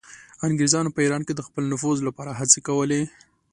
انګریزانو په ایران کې د خپل نفوذ لپاره هڅې کولې.